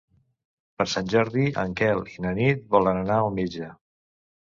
Per Sant Jordi en Quel i na Nit volen anar al metge.